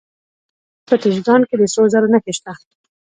د بدخشان په تیشکان کې د سرو زرو نښې شته.